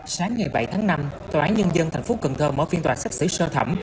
sáng ngày bảy tháng năm tòa án nhân dân tp cn mở phiên tòa sách sử sơ thẩm